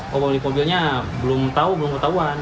pemilik mobilnya belum tahu belum ketahuan